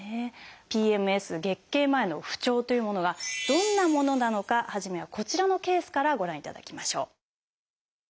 ＰＭＳ月経前の不調というものがどんなものなのか初めはこちらのケースからご覧いただきましょう。